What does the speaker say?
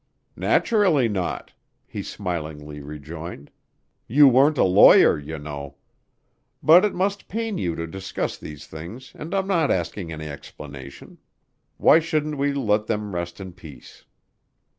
"Naturally not," he smilingly rejoined. "You weren't a lawyer, you know. But it must pain you to discuss these things and I'm not asking any explanation. Why shouldn't we let them rest in peace?"